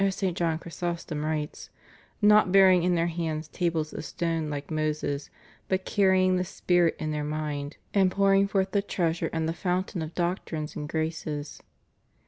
429 the mountain/' as St. John Chrysostom writes, "not bearing in their hands tables of stone hke Moses, but carry ing the Spirit in their mind, and pouring forth the treasure and the fountain of doctrines and graces."